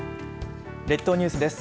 列島ニュースです。